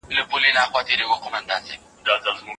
د ساحل روڼو اوبو کي